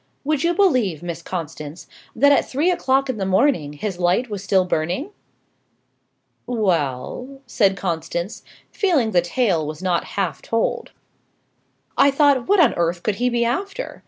Would you believe, Miss Constance, that at three o'clock in the morning his light was still burning?" "Well," said Constance, feeling the tale was not half told. "I thought, what on earth could he be after?